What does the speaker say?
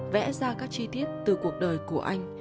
vẽ ra các chi tiết từ cuộc đời của anh